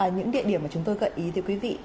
những địa điểm mà chúng tôi gợi ý tới quý vị